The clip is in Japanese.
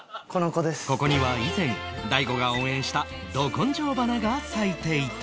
ここには以前大悟が応援したど根性花が咲いていた